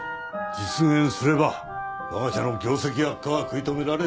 実現すれば我が社の業績悪化は食い止められる。